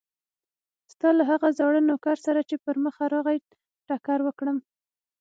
ستا له هغه زاړه نوکر سره چې پر مخه راغی ټکر وکړم.